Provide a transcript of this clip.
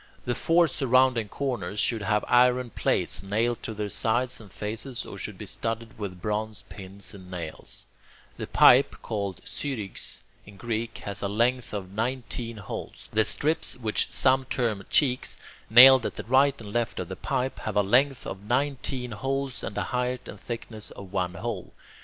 The four surrounding corners should have iron plates nailed to their sides and faces, or should be studded with bronze pins and nails. The pipe, called [Greek: syrigx] in Greek, has a length of nineteen holes. The strips, which some term cheeks, nailed at the right and left of the pipe, have a length of nineteen holes and a height and thickness of one hole.